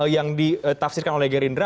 yang ditafsirkan oleh gerindra